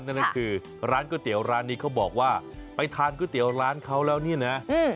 นั่นก็คือร้านก๋วยเตี๋ยวร้านนี้เขาบอกว่าไปทานก๋วยเตี๋ยวร้านเขาแล้วนี่นะ